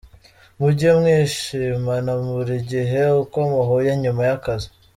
Mujye mwishimana buri gihe uko muhuye nyuma y’akazi.